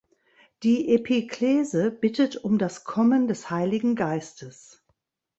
Die Epiklese bittet um das Kommen des Heiligen Geistes.